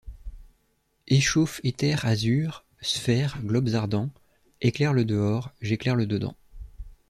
Échauffe éthers, azurs, sphères, globes ardents ; Éclaire le dehors, j’éclaire le dedans.